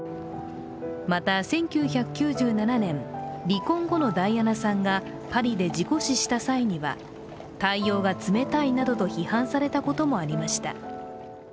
また、１９９７年、離婚後のダイアナさんがパリで事故死した際には、対応が冷たいなどと批判されたこともありました。